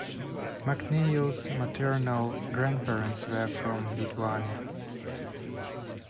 McNeill's maternal grandparents were from Lithuania.